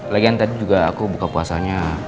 lagian tadi juga aku buka puasanya